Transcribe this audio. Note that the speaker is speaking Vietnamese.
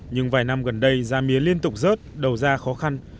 nhưng vài năm gần đây gia mía liên tục rớt đầu ra khó khăn